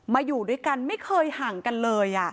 อยู่ด้วยกันไม่เคยห่างกันเลย